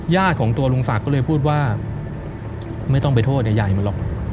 ของตัวลุงศักดิ์ก็เลยพูดว่าไม่ต้องไปโทษใหญ่มันหรอก